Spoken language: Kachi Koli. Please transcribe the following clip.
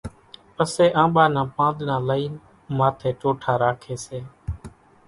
پسيَ آنٻا نان پانۮڙان لئينَ ماٿيَ ٽوٺا راکيَ سي۔